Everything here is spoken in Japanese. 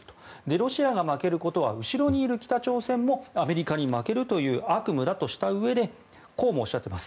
ロシアが負けることは後ろにいる北朝鮮もアメリカに負けるという悪夢だとしたうえでこうもおっしゃっています。